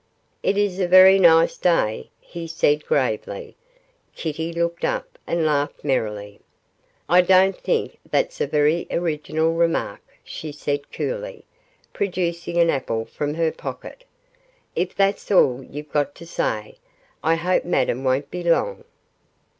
'It is a very nice day,' he said, gravely. Kitty looked up and laughed merrily. 'I don't think that's a very original remark,' she said coolly, producing an apple from her pocket. 'If that's all you've got to say, I hope Madame won't be long.